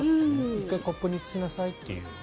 １回コップにくみなさいという。